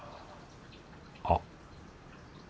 あっ